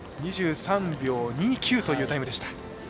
２３秒２９というタイムでした。